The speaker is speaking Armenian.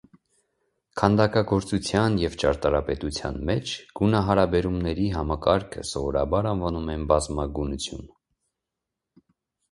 Քանդակագործության և ճարտարապետության մեջ գունահարաբերումների համակարգը սովորաբար անվանում են բազմագունություն (պոլիքրոմիա)։